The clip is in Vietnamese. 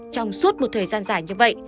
trong suốt một thời gian dài như vậy